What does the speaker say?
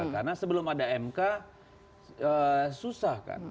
karena sebelum ada mk susah kan